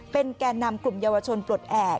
เป็นแก่นำกลุ่มเยาวชนปลดแอบ